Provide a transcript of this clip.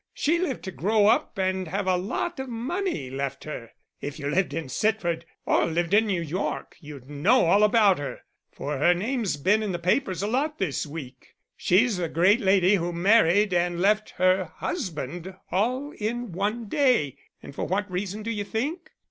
She lived to grow up and have a lot of money left her. If you lived in Sitford, or lived in New York, you'd know all about her; for her name's been in the papers a lot this week. She's the great lady who married and left her husband all in one day; and for what reason do you think?